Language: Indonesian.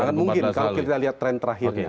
sangat mungkin kalau kita lihat tren terakhirnya